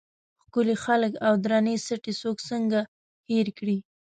ښکلي خلک او درنې سټې څوک څنګه هېر کړي.